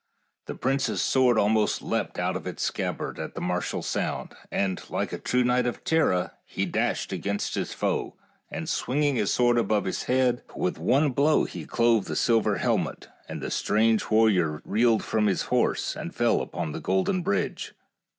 The prince's sword almost leaped out of its scabbard at the martial sound, and, like a true knight of Tara, he dashed against his foe, and swinging his sword above his head, with one blow he clove the silver helmet, and the strange warrior reeled from his horse and fell upon the golden bridge.